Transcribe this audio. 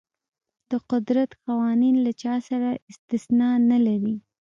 د قدرت قوانین له چا سره استثنا نه لري.